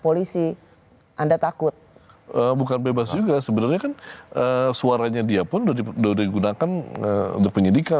polisi anda takut bukan bebas juga sebenarnya kan suaranya dia pun udah digunakan untuk penyidikan